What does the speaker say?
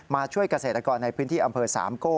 ช่วยเกษตรกรในพื้นที่อำเภอสามโก้